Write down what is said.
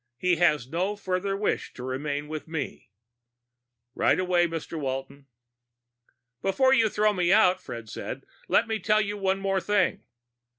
He has no further wish to remain with me." "Right away, Mr. Walton." "Before you throw me out," Fred said, "let me tell you one more thing."